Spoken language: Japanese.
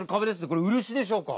これ漆でしょうか？